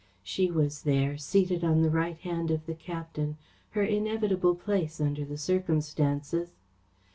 She was there, seated on the right hand of the captain, her inevitable place under the circumstances.